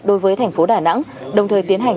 đối với thành phố đà nẵng đồng thời tiến hành